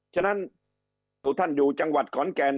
ด้านนั้นถ้าอยู่จังหวัดขอนแก่น